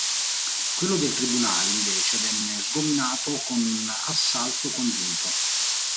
Quello del tribunale invece venne sgominato con un assalto congiunto.